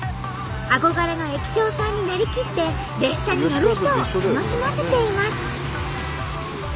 憧れの駅長さんになりきって列車に乗る人を楽しませています。